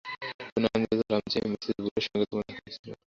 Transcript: শুনে আনন্দিত হলাম যে, মিসেস বুলের সঙ্গে তোমার দেখা হয়েছিল।